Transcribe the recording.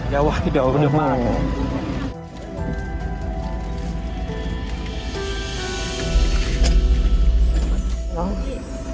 แกว่าที่เดี๋ยวก็นึกมาก